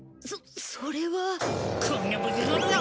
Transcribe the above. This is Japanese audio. そそれは。